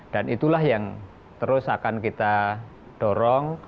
itulah yang terus akan kita dorong